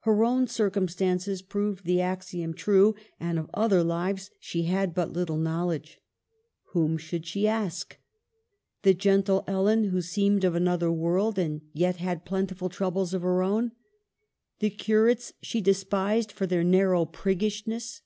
Her own circumstances proved the axiom true, and of other lives she had but little knowl edge. Whom should she ask ? The gentle Ellen who seemed of another world, and yet had plentiful troubles of her own ? The curates she despised for their narrow priggishness